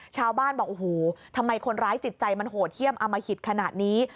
ชาวบ้านบอกโอ้โหทำไมคนร้ายจิตใจมันโหดเยี่ยมอมหิตขนาดนี้